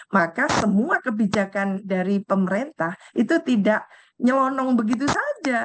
maka semua kebijakan dari pemerintah itu tidak nyelonong begitu saja